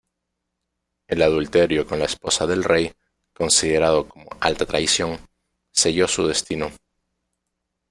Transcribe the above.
El adulterio con la esposa del Rey, considerado como alta traición, selló su destino.